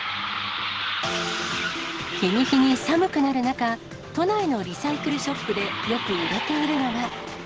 日に日に寒くなる中、都内のリサイクルショップでよく売れているのが。